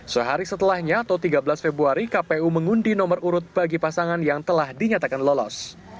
sehari setelahnya atau tiga belas februari kpu mengundi nomor urut bagi pasangan yang telah dinyatakan lolos